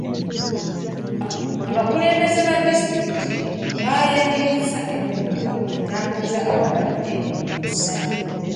Abakulembeze ba disitulikiti baayanirizza emmotoka etambuza abalwadde mu ssanyu.